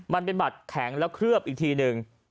มันเป็นบัตรแข็งแล้วเคลือบอีกทีหนึ่ง